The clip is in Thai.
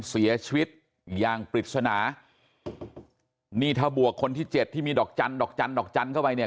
เสียชีวิตอย่างปริศนานี่ถ้าบวกคนที่เจ็ดที่มีดอกจันดอกจันดอกจันทร์เข้าไปเนี่ย